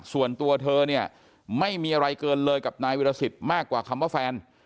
ส่วนตัวเธอเนี่ยไม่มีอะไรเกินเลยกับนายวิรสิทธิ์มากกว่าคำว่าแฟน